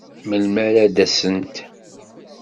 Melmi ara d-asent?